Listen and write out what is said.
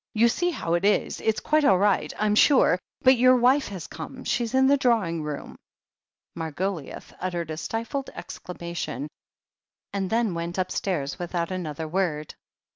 "You see how it is — ^it's quite all right, Vm sure ... but your wife has come. She's in the draw ing room." Margoliouth uttered a stifled exclamation, and then went upstairs without another word.